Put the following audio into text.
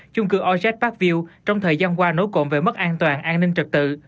chung cư ultra parkview trong thời gian qua nối cộng về mất an toàn an ninh trật tự